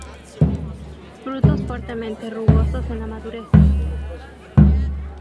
Frutos fuertemente rugosos en la madurez.